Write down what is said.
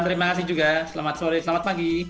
terima kasih juga selamat sore selamat pagi